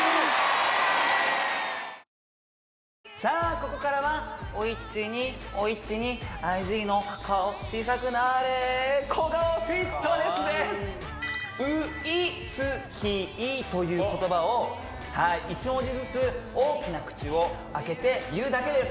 ここからはおいっちにおいっちにＩＧの顔小さくなれ小顔フィットネスですかわいいウイスキーという言葉をはい１文字ずつ大きな口を開けて言うだけです